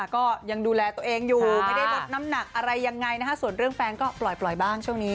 ก็ยังดูแลตัวเองอยู่ไม่ได้ตอบน้ำหนักอะไรยังไงส่วนเรื่องแฟนก็ปล่อยบ้าง